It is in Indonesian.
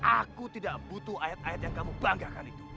aku tidak butuh ayat ayat yang kamu banggakan itu